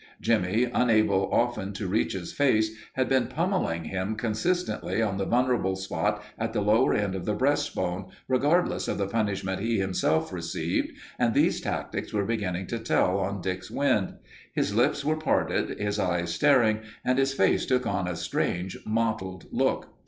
Jimmie, unable often to reach his face, had been pummelling him consistently on the vulnerable spot at the lower end of the breastbone, regardless of the punishment he himself received, and these tactics were beginning to tell on Dick's wind. His lips were parted, his eyes staring, and his face took on a strange mottled look.